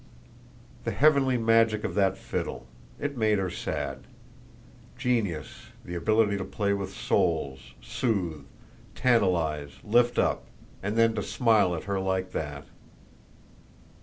The heavenly magic of that fiddle! It made her sad. Genius, the ability to play with souls, soothe, tantalize, lift up; and then to smile at her like that!